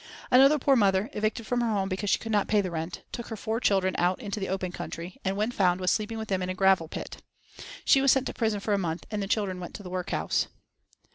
Another poor mother, evicted from her home because she could not pay the rent, took her four children out into the open country, and when found was sleeping with them in a gravel pit. She was sent to prison for a month and the children went to the workhouse.